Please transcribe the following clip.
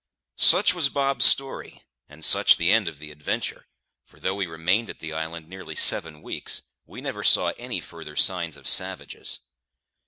Such was Bob's story, and such the end of the adventure, for though we remained at the island nearly seven weeks, we never saw any further signs of savages.